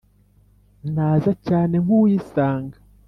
Naza cyane nk' uwisanga